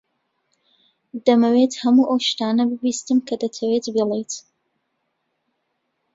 دەمەوێت هەموو ئەو شتانە ببیستم کە دەتەوێت بیڵێیت.